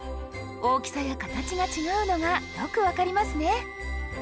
大きさや形が違うのがよく分かりますね。